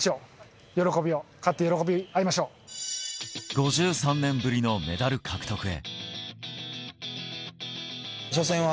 ５３年ぶりのメダル獲得へ。